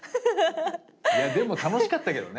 いやでも楽しかったけどね。